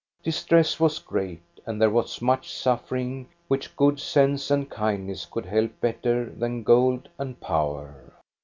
Distress was great, and there was much suffering which good sense and kindness could help better than gold and power.